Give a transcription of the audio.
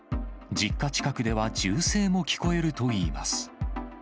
実家近くでは銃声も聞こえるといいます。